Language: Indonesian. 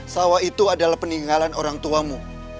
sawah itu adalah peninggalan orang tuamu